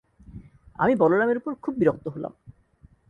আমি বলরামের উপর খুব বিরক্ত হলাম।